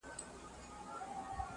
دی قرنطین دی په حجره کي.!